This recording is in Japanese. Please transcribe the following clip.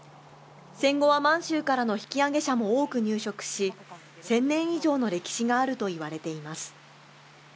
戦後は満州からの引き揚げ者も多く入植し１０００年以上の歴史があると言われています。